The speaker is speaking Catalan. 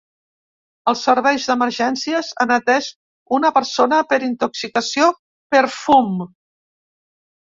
Els serveis d’emergències han atès una persona per intoxicació per fum.